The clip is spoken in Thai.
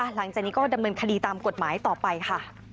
หลังจากนี้ก็ดำเนินคดีตามกฎหมายต่อไปค่ะ